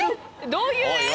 どういう画？